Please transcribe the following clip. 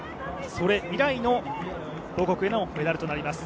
それ以来の母国へのメダルとなります。